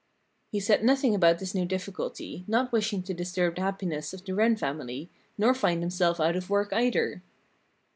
He said nothing about this new difficulty, not wishing to disturb the happiness of the Wren family, nor find himself out of work, either.